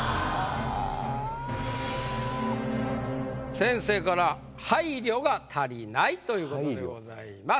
先生から「配慮が足りない」ということでございます。